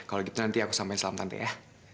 kalau gitu nanti aku sampe salam tante ya